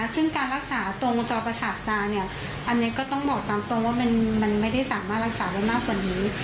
ซึ่งการรักษาตรงจอประสาทตาเนี่ยอันนี้ก็ต้องบอกตามตรงว่ามันไม่ได้สามารถรักษาได้มากกว่านี้